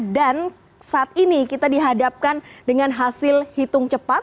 dan saat ini kita dihadapkan dengan hasil hitung cepat